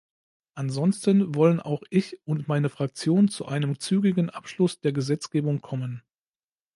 Ansonsten wollen auch ich und meine Fraktion zu einem zügigen Abschluss der Gesetzgebung kommen.